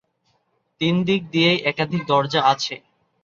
তিন দিক দিয়েই একাধিক দরজা আছে।